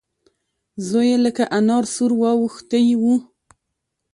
زوی يې لکه انار سور واوښتی و.